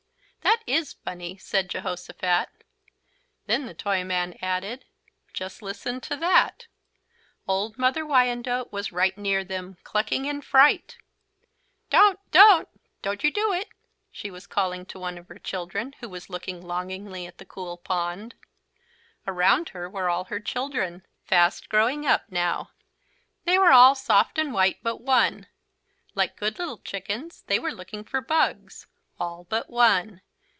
"That is funny," said Jehosophat. Then the Toyman added: "Just listen to that." Old Mother Wyandotte was right near them, clucking in fright. "Don't don't don't you do it!" she was calling to one of her children who was looking longingly at the cool pond. Around her were all her children, fast growing up now. They were all soft and white but one. Like good little chickens they were looking for bugs, all but one.